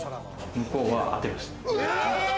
向こうあてました。